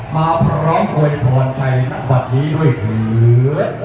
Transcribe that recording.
มาพร้อมโทยธรรมชัยทั้งวันนี้ด้วยเผือ